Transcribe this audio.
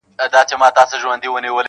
• ورځي مو ورکي له ګلونو له یارانو سره -